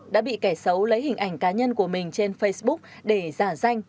đã bị kẻ xấu lấy hình ảnh cá nhân của mình trên facebook để giả danh